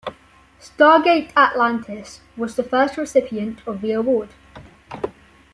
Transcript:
"Stargate Atlantis" was the first recipient of the award.